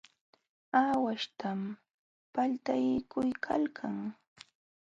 Aawaśhtam paltaykuykalkan.